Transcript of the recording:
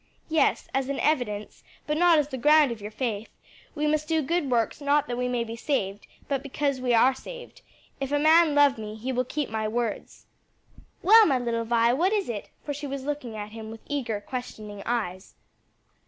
"Yes as an evidence, but not as the ground of your faith; we must do good works not that we may be saved, but because we are saved. 'If a man love me, he will keep my words.' Well, my little Vi? what is it?" for she was looking at him with eager, questioning eyes.